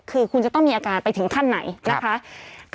คือคุณจะต้องมีอาการไปถึงขั้นไหนนะคะ